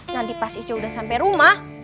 nanti pas ica udah sampe rumah